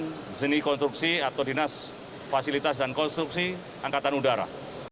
tni juga akan menerbangan seni konstruksi atau dinas fasilitas dan konstruksi angkatan udara